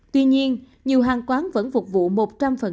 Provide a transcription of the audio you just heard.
tuy nhiên nhiều hàng quán vẫn phục vụ một trăm linh